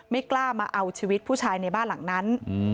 ไม่กล้ามาเอาชีวิตผู้ชายในบ้านหลังนั้น